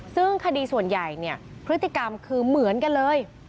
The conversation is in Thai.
ซึ่งคดีส่วนใหญ่เนี่ยพฤติกรรมคือเหมือนกันเลย